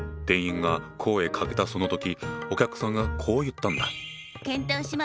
店員が声かけたその時お客さんがこう言ったんだ。